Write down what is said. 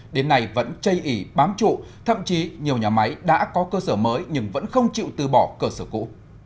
đến nay vẫn chây ỉ bám trụ thậm chí nhiều nhà máy đã có cơ sở mới nhưng vẫn không chịu từ bỏ cơ sở cũ